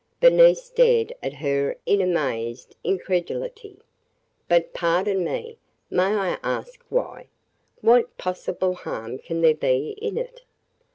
Bernice stared at her in amazed incredulity. "But – pardon me! – may I ask why? What possible harm can there be in it?"